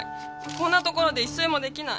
こんなところで一睡も出来ない。